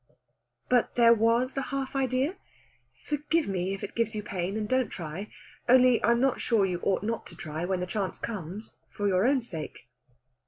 "But there was a half idea? Forgive me if it gives you pain, and don't try. Only I'm not sure you ought not to try when the chance comes, for your own sake."